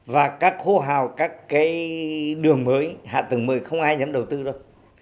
và các khu hào các đường mới hạ tầng mới không ai nhắm đầu tư đâu